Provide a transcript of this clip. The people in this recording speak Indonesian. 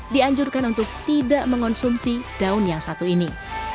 dianjurkan untuk tidak mengonsumsi daun yang satu ini